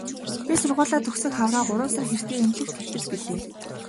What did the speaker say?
Би сургууль төгсөх хавраа гурван сар хэртэй эмнэлэгт хэвтэж билээ.